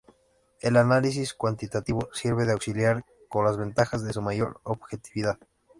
El análisis cuantitativo sirve de auxiliar, con las ventajas de su mayor objetividad.